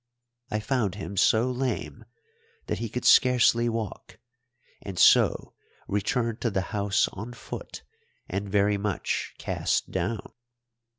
I found him so lame that he could scarcely walk, and so returned to the house on foot and very much cast down.